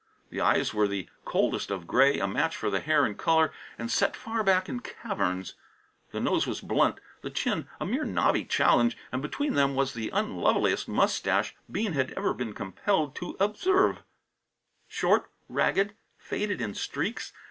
The eyes were the coldest of gray, a match for the hair in colour, and set far back in caverns. The nose was blunt, the chin a mere knobby challenge, and between them was the unloveliest moustache Bean had ever been compelled to observe; short, ragged, faded in streaks.